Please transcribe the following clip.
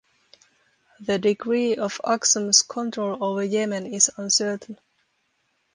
The degree of Aksum's control over Yemen is uncertain.